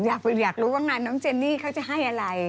อยากรู้ว่างานน้องเจนนี่เขาจะให้อะไร